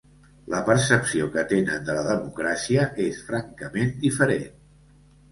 La percepció que tenen de la democràcia és francament diferent.